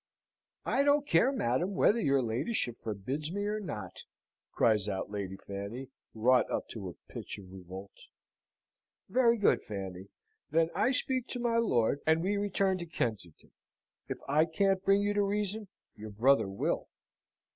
"I don't care, madam, whether your ladyship forbids me or not!" cries out Lady Fanny, wrought up to a pitch of revolt. "Very good, Fanny! then I speak to my lord, and we return to Kensington. If I can't bring you to reason, your brother will."